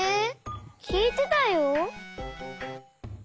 きいてたよ！